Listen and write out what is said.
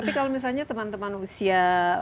tapi kalau misalnya teman teman usia